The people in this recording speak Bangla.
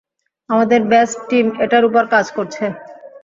আমাদের বেস্ট টিম এটার উপর কাজ করছে।